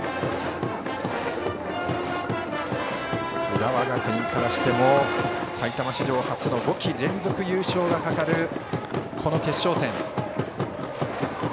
浦和学院からしても埼玉史上初の５季連続優勝がかかるこの決勝戦。